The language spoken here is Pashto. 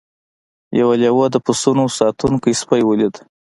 یو لیوه د پسونو ساتونکی سپی ولید.